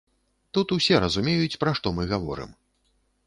Тут усе разумеюць, пра што мы гаворым.